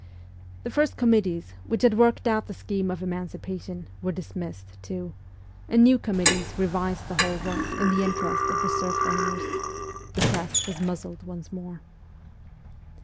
The first committees, which had worked out the scheme of emancipation, were dismissed, too, and new committees revised the whole work in the interest of the serf owners ; the press was muzzled once more.